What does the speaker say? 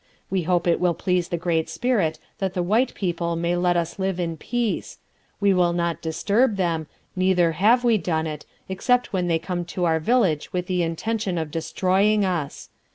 We hope it will please the Great Spirit that the white people may let us live in peace; we will not disturb them, neither have we done it, except when they came to our village with the intention of destroying us.